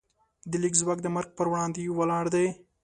د لیک ځواک د مرګ پر وړاندې ولاړ دی.